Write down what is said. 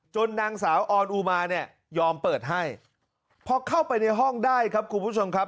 นางสาวออนอูมาเนี่ยยอมเปิดให้พอเข้าไปในห้องได้ครับคุณผู้ชมครับ